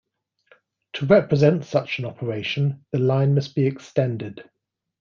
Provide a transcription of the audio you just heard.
To represent such an operation, the line must be extended.